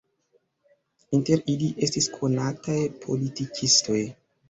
Inter ili estis konataj politikistoj.